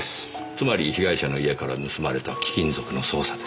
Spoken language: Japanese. つまり被害者の家から盗まれた貴金属の捜査ですね。